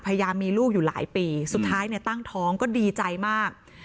พยายามมีลูกอยู่หลายปีสุดท้ายเนี่ยตั้งท้องก็ดีใจมาก